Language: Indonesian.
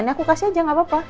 aku kasih aja gak apa apa